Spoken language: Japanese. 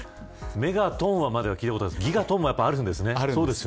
メガトンまでは聞いたことあるんですがギガトンもあるんですね。